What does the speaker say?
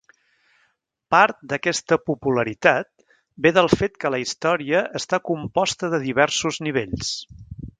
Part d'aquesta popularitat ve del fet que la història està composta de diversos nivells.